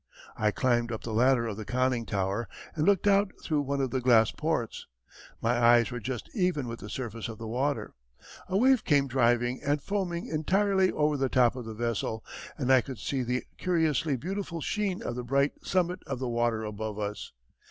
I climbed up the ladder of the conning tower and looked out through one of the glass ports. My eyes were just even with the surface of the water. A wave came driving and foaming entirely over the top of the vessel, and I could see the curiously beautiful sheen of the bright summit of the water above us.